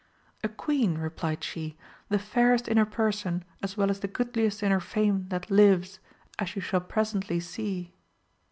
A queen, replied she, the fairest in her person as well as the goodliest in her fame that lives, as you shall presently see.